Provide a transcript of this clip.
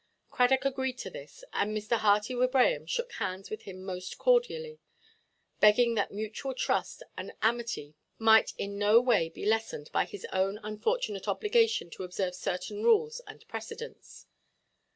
Cradock agreed to this, and Mr. Hearty Wibraham shook hands with him most cordially, begging that mutual trust and amity might in no way be lessened by his own unfortunate obligation to observe certain rules and precedents.